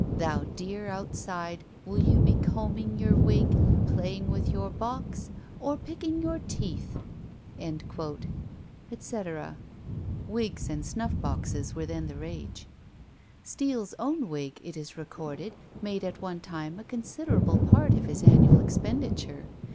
Thou dear outside, will you be combing your wig, playing with your box, or picking your teeth?" &c. Wigs and snuff boxes were then the rage. Steele's own wig, it is recorded, made at one time a considerable part of his annual expenditure.